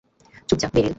চুপ যা, বেরিল।